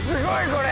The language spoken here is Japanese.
これ！